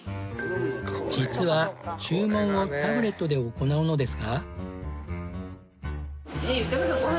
実は注文をタブレットで行うのですが。